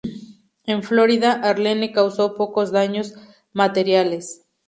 En Florida, Arlene causó pocos daños materiales.